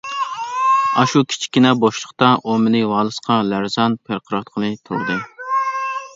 ئاشۇ كىچىككىنە بوشلۇقتا ئۇ مېنى ۋالىسقا لەرزان پىرقىراتقىلى تۇردى.